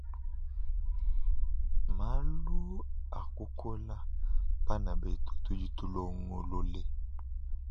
Malu akukola bana betu tudi longolole.